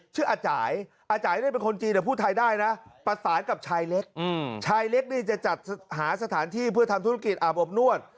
อาจ่ายอาจ่ายนี่เป็นคนจีนแต่พูดไทยได้นะประสานกับชายเล็กชายเล็กนี่จะจัดหาสถานที่เพื่อทำธุรกิจอาบอบนวด